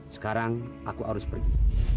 sekarang aku harus pergi